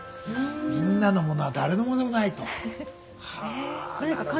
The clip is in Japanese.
「みんなのものは誰のものでもない」と。はなるほどな。